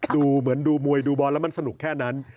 ดูเหมือนดูมวยดูบอลแล้วมันสนุกแค่นั้น